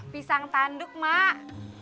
pisang tanduk mak